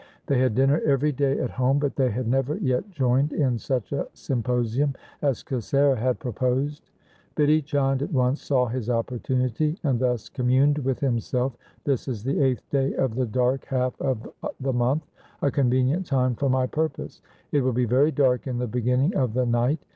They had dinner every day at home, but they had never yet joined in such a sym posium as Kasera had proposed. Bidhi Chand at once saw his opportunity, and thus communed with himself, ' This is the eighth day of the dark half of the month, a convenient time for my purpose. It will be very dark in the beginning of the night.